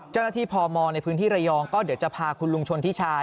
เจ้าหน้าที่พมในพื้นที่ระยองก็เดี๋ยวจะพาคุณลุงชนธิชา